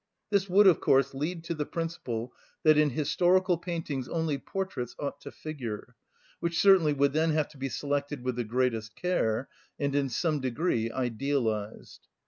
This would, of course, lead to the principle that in historical paintings only portraits ought to figure, which certainly would then have to be selected with the greatest care and in some degree idealised.